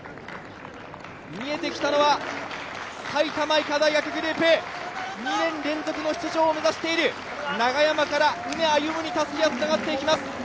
見えてきたのは埼玉医科大学グループ２年連続の出場を目指している長山から畝歩夢にたすきがつながっていく。